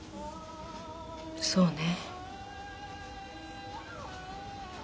そうね。